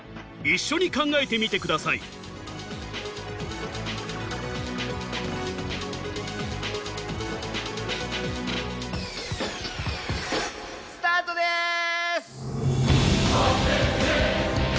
一緒に考えてみてくださいスタートです！